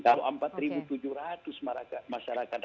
kalau empat tujuh ratus masyarakat